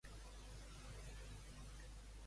Suposo que en aquest projecte no es permet la xenofòbia